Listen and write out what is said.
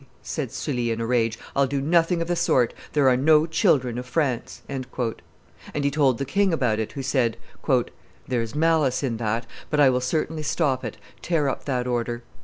said Sully, in a rage; "I'll do nothing of the sort; there are no children of France." And he told the king about it, who said, "There's malice in that, but I will certainly stop it; tear up that order."